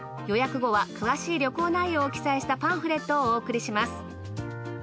予約後は詳しい旅行内容を記載したパンフレットをお送りします。